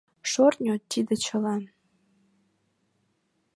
Шӧртньӧ — тиде чыла!